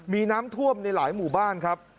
มีน้ำท่วมในหลายหมู่บ้านครับ